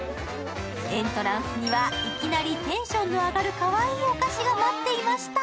エントランスにはいきなりテンションの上がるかわいいお菓子が待っていました。